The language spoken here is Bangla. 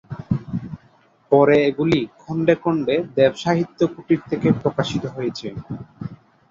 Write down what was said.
পরে এগুলি খণ্ডে খণ্ডে দেব সাহিত্য কুটির থেকে প্রকাশিত হয়েছে।